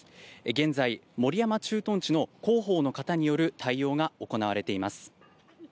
現在守山駐屯地の広報の方による対応が行われています。